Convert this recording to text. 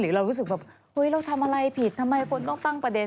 เรารู้สึกแบบเฮ้ยเราทำอะไรผิดทำไมคนต้องตั้งประเด็น